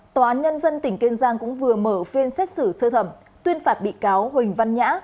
tòa án nhân dân tỉnh kiên giang cũng vừa mở phiên xét xử sơ thẩm tuyên phạt bị cáo huỳnh văn nhã